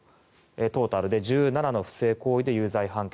トータルで１７の不正行為で有罪判決。